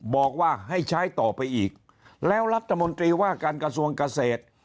บอกว่าให้ใช้ต่อไปอีกแล้วรัฐมนตรีว่าการกระทรวงเกษตร